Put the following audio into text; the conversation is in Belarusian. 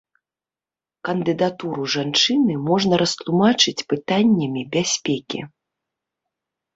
Кандыдатуру жанчыны можна растлумачыць пытаннямі бяспекі.